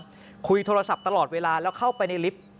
ก็คุยโทรศัพท์ตลอดเวลาแล้วเข้าไปในลิฟต์